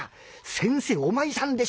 先生お前さんでしょ。